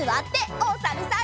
おさるさん。